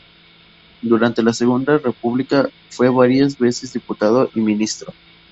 Durante la Segunda República fue varias veces diputado y ministro.